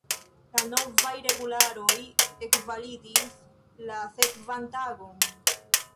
La novaj regularoj ekvalidis la sekvan tagon.